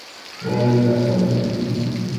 কুমারদের ধাতু আমি জানি কি না।